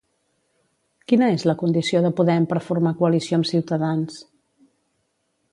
Quina és la condició de Podem per formar coalició amb Ciutadans?